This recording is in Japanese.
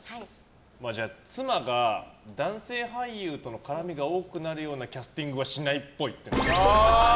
妻が男性俳優との絡みが多くなるようなキャスティングはしないっぽい。